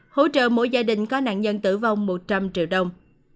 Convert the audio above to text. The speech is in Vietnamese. hỗ trợ mỗi gia đình có nạn nhân tử vong một trăm linh triệu đồng